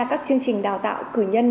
các chương trình đào tạo cử nhân